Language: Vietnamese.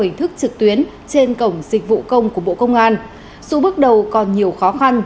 hình thức trực tuyến trên cổng dịch vụ công của bộ công an dù bước đầu còn nhiều khó khăn